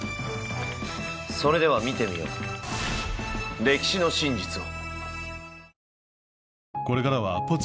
それでは見てみよう歴史の真実を。